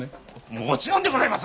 もちろんでございます！